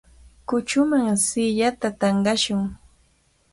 Kuchuman siillata tanqashun.